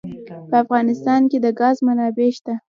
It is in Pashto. په افغانستان کې د ګاز منابع شته.